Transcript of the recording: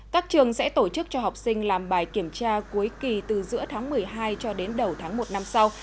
các trường sẽ tổ chức cho học sinh làm bài kiểm tra cuối kỳ từ giữa tháng một mươi hai cho đến đầu tháng một năm sau